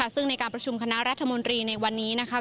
ซึ่งในการประชุมคณะรัฐมนตรีในวันนี้นะคะ